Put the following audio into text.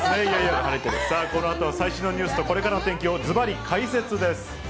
このあとは最新のニュースとこれからの天気をずばり解説です。